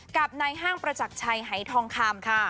กับนายห้างประจักรชัยหายทองคำค่ะ